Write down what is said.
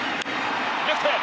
レフトへ。